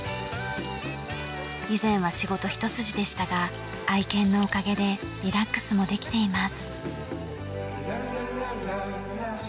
以前は仕事一筋でしたが愛犬のおかげでリラックスもできています。